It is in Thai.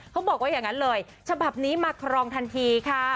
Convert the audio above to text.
เขาบอกว่าอย่างนั้นเลยฉบับนี้มาครองทันทีค่ะ